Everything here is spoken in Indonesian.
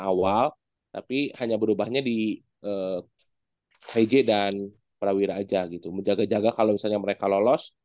awal tapi hanya berubahnya di heij dan prawira aja gitu menjaga jaga kalau misalnya mereka lolos